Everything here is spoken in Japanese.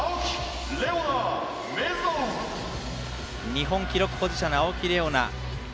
日本記録保持者の青木玲緒樹。